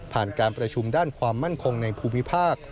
การประชุมด้านความมั่นคงในภูมิภาค